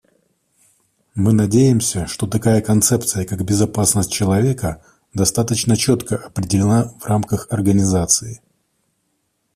Мы надеемся, что такая концепция, как безопасность человека, достаточно четко определена в рамках Организации.